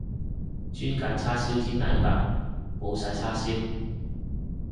轉揀叉燒煎蛋飯，冇晒叉燒